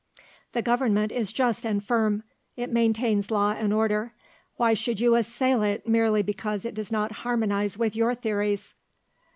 "The Government is just and firm; it maintains law and order. Why should you assail it merely because it does not harmonise with your theories?"